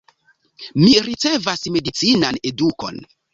Mi ricevas medicinan edukon.